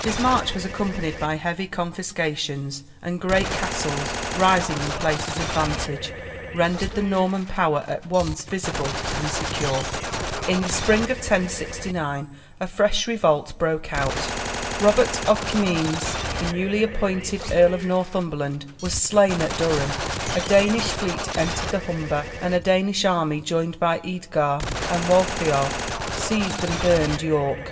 His march was accompanied by heavy confiscations, and great castles, rising in places of vantage, rendered the Norman power at once visible and secure. In the spring of 1069 a fresh revolt broke out. Robert of Comines, the newly appointed Earl of Northumberland, was slain at Durham; a Danish fleet entered the Humber, and a Danish army, joined by Eadgar and Waltheof, seized and burned York.